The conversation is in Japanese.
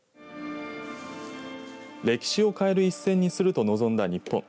歴史を変える一戦にすると臨んだ日本。